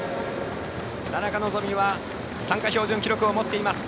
田中希実は参加標準記録を持っています。